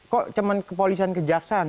kok cuman kepolisan kejaksaan